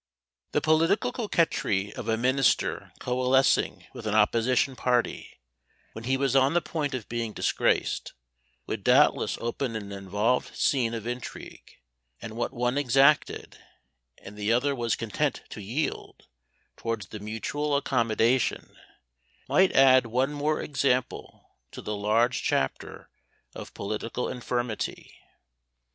The political coquetry of a minister coalescing with an opposition party, when he was on the point of being disgraced, would doubtless open an involved scene of intrigue; and what one exacted, and the other was content to yield, towards the mutual accommodation, might add one more example to the large chapter of political infirmity.